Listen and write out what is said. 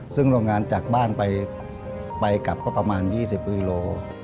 ซึ่งโรงงานจากบ้านไปกลับก็ประมาณ๒๐กิโล